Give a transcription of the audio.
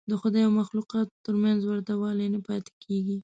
د خدای او مخلوقاتو تر منځ ورته والی نه پاتې کېږي.